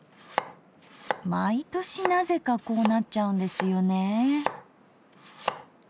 毎年なぜかこうなっちゃうんですよね。